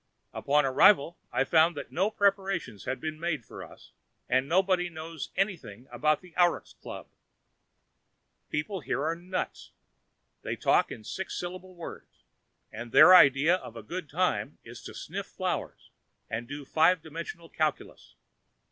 Upon arrival, I found that no preparations had been made for us and nobody knows anything about an Auruchs club. The people here are nuts. They talk in six syllable words and their idea of a good time is to sniff flowers and do five dimensional calculus.